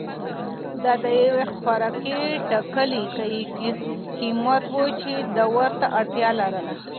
دا د یوې خوراکي ټکلې قیمت و چې ده ورته اړتیا لرله.